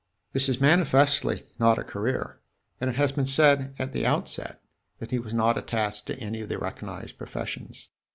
This is manifestly not a career, and it has been said at the outset that he was not attached to any of the recognized professions.